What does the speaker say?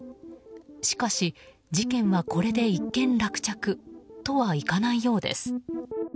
しかし、事件はこれで一件落着とはいかないようです。